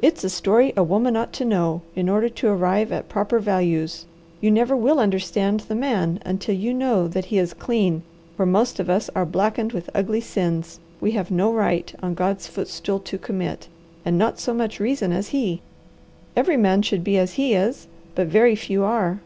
It's a story a woman ought to know in order to arrive at proper values. You never will understand the man until you know that he is clean where most of us are blackened with ugly sins we have no right on God's footstool to commit and not so much reason as he. Every man should be as he is, but very few are.